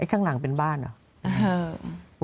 ข้างหลังเป็นบ้านเหรอ